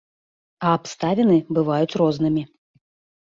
А абставіны бываюць рознымі!